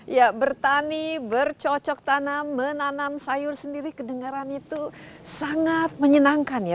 ya bertani bercocok tanam menanam sayur sendiri kedengaran itu sangat menyenangkan ya